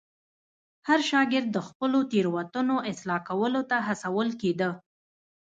هر شاګرد د خپلو تېروتنو اصلاح کولو ته هڅول کېده.